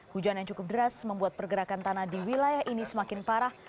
hujan yang cukup deras membuat pergerakan tanah di wilayah ini semakin parah